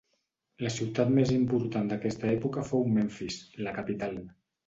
La ciutat més important d'aquesta època fou Memfis, la capital.